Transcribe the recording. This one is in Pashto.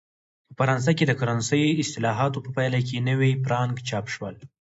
په فرانسه کې د کرنسۍ اصلاحاتو په پایله کې نوي فرانک چاپ شول.